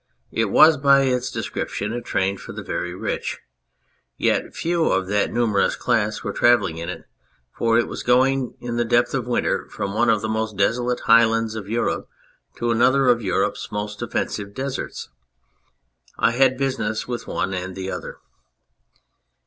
It was by its description a train for the Very Rich, yet few of that numerous class were travelling in it, for it was going in the depth of winter from one of the most desolate highlands of Europe to another of Europe's most offensive deserts. I had business with one and the other.